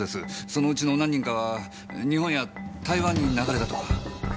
そのうちの何人かは日本や台湾に流れたとか。